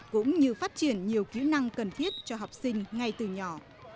cũng như phát triển nhiều kỹ năng cần thiết cho học sinh ngay từ nhỏ